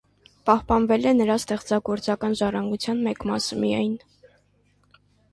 Պահպանվել է նրա ստեղծագործական ժառանգության մեկ մասը միայն։